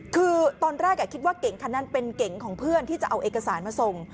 คือตอนแรกคิดว่าเก๋งคันนั้นเป็นเก๋งของเพื่อนที่จะเอาเอกสารมาส่ง